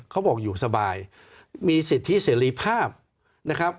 เขาบอกอยู่สบายมีสิทธิเสรีภาพนะครับ